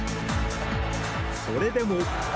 それでも。